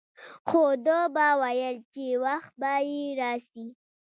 خو ده به ويل چې وخت به يې راسي.